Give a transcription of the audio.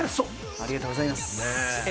ありがとうございます。